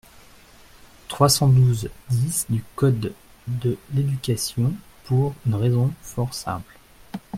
trois cent douze-dix du code de l’éducation, pour une raison fort simple.